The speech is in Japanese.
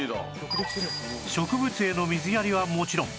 植物への水やりはもちろん